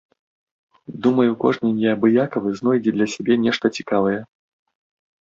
Думаю, кожны неабыякавы знойдзе для сябе нешта цікавае.